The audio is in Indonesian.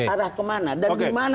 arah ke mana dan dimana